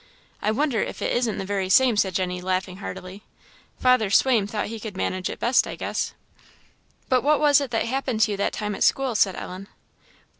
I wonder if it isn't the very same," said Jenny, laughing heartily: "Father Swaim thought he could manage it best, I guess." "But what was it that happened to you that time at school?" said Ellen.